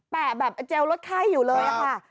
แปะแบบแจลรถไข้อยู่เลยค่ะ